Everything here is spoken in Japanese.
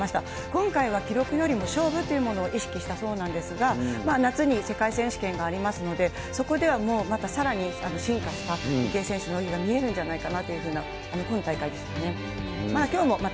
今回は記録よりも勝負というものを意識したそうなのですが、夏に世界選手権がありますので、そこではもうまたさらに進化した池江選手の泳ぎが見れるんじゃないかなという、今大会でしたね。